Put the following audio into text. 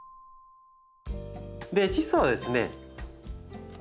チッ素はですね。